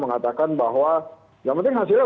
mengatakan bahwa yang penting hasilnya